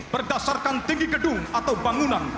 berdasarkan tinggi gedung atau bangunan